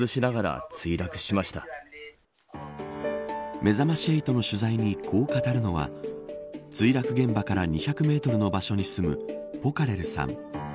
めざまし８の取材にこう語るのは墜落現場から２００メートルの場所に住むポカレルさん。